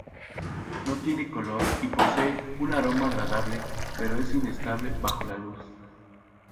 No tiene color y posee un aroma agradable pero es inestable bajo la luz.